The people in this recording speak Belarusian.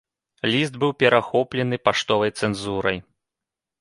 Ліст быў перахоплены паштовай цэнзурай.